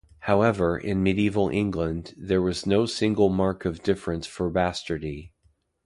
However, in medieval England, there was no single mark of difference for bastardy.